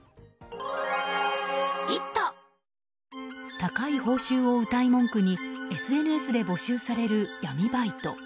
高い報酬をうたい文句にＳＮＳで募集される闇バイト。